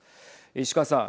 石川さん。